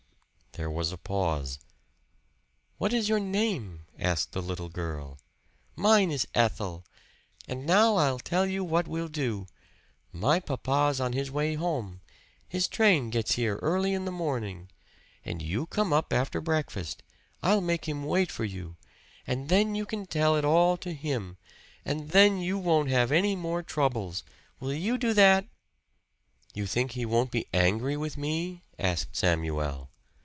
There was a pause. "What is your name?" asked the little girl. "Mine is Ethel. And now I'll tell you what we'll do. My papa's on his way home his train gets here early in the morning. And you come up after breakfast I'll make him wait for you. And then you can tell it all to him, and then you won't have any more troubles. Will you do that?" "You think he won't be angry with me?" asked Samuel.